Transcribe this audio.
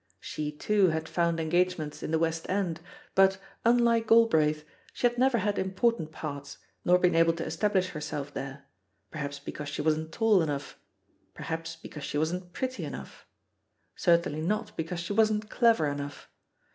She, too, had foimd engagements in the West End, but, unlike Gal braith, she had never had important parts nor been able to establish herself there — ^perhaps be cause she wasn't tall enough, perhaps be cause she wasn^t pretty enough, certainly not because she wasn't clever enough.